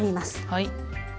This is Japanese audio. はい。